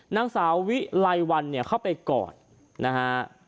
นางสาวิไลวันเข้าไปกอดนะฮะ